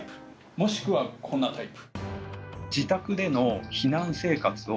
もしくはこんなタイプ。